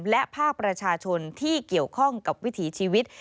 และภาคประชาชนที่เกี่ยวข้องกับวิถีชีวิต